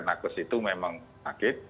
karena nakes itu memang sakit